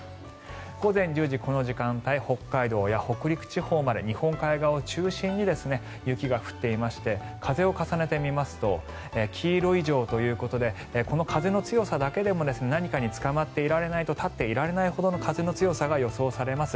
午前１０時この時間、北海道や北陸地方まで日本海側を中心に雪が降っていまして風を重ねてみますと黄色以上ということでこの風の強さだけでも何かにつかまっていないと立っていられないほどの風の強さが予想されます。